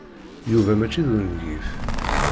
Yuba mačči d ungif.